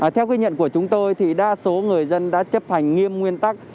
theo quyết nhận của chúng tôi đa số người dân đã chấp hành nghiêm nguyên tắc